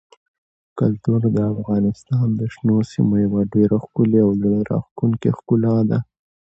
کلتور د افغانستان د شنو سیمو یوه ډېره ښکلې او زړه راښکونکې ښکلا ده.